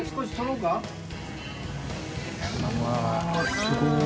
すごい。┐